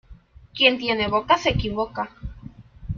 Quien tiene boca se equivoca.